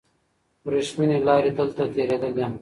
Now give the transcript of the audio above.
وریښمینې لارې دلته تېرېدلې.